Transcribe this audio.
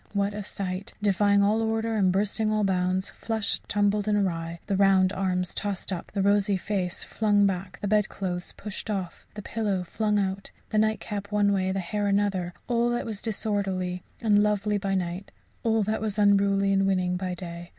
What a sight! defying all order and bursting all bounds, flushed, tumbled and awry the round arms tossed up, the rosy face flung back, the bedclothes pushed off, the pillow flung out, the nightcap one way, the hair another all that was disorderly and lovely by night, all that was unruly and winning by day.